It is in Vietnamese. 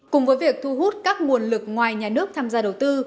cùng với việc thu hút các nguồn lực ngoài nhà nước tham gia đầu tư